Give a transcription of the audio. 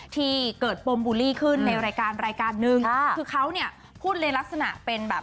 ที่เกิดปมบูลลี่ขึ้นในรายการรายการนึงคือเขาเนี่ยพูดในลักษณะเป็นแบบ